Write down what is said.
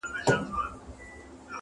یار نمک حرام نه یم چي هغه کاسه ماته کړم,